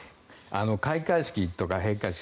開会式とか閉会式